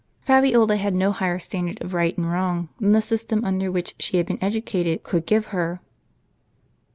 Fabiola had no higher standard of right and wrong than the system under which she had been educated could give her.